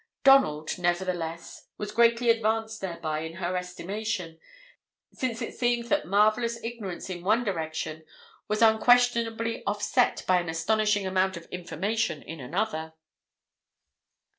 Donald, nevertheless, was greatly advanced thereby in her estimation, since it seemed that marvellous ignorance in one direction was unquestionably offset by an astonishing amount of information in another.